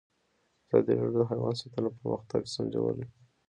ازادي راډیو د حیوان ساتنه پرمختګ سنجولی.